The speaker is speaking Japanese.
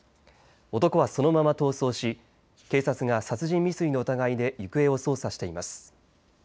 男はそのまま逃走し警察が殺人未遂の疑いで行方を捜査しています。